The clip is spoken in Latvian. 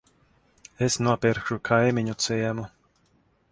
Es nopirkšu kaimiņu ciemu.